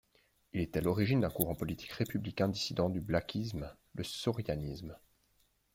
Il est à l'origine d'un courant politique républicain dissident du blasquisme, le sorianisme.